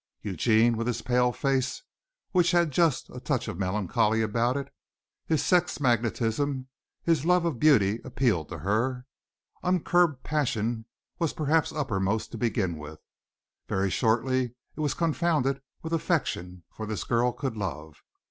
Eugene, with his pale face, which had just a touch of melancholy about it, his sex magnetism, his love of beauty, appealed to her. Uncurbed passion was perhaps uppermost to begin with; very shortly it was confounded with affection, for this girl could love.